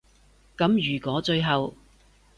噉如果最後